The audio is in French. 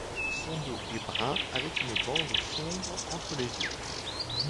Son dos est brun avec une bande sombre entre les yeux.